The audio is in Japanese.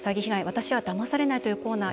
私はだまされない」というコーナー